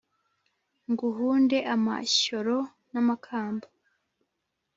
Nguhunde amashyoro namakamba